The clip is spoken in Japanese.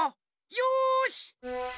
よし！